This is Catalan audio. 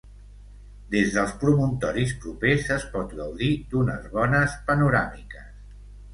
Des dels promontoris propers es pot gaudir d'unes bones panoràmiques.